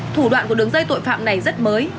thủ đoạn của đường dây tội phạm này rất mới